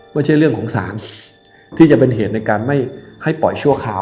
ไม่ใช่เรื่องของสารที่จะเป็นเหตุในการไม่ให้ปล่อยชั่วคราว